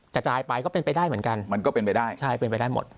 ก็จายไปก็เป็นไปได้เหมือนกัน